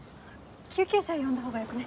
救急車呼んだほうがよくね？